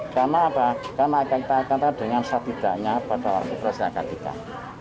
karena kita akan tarik dengan setidaknya pada waktu proses akad nikah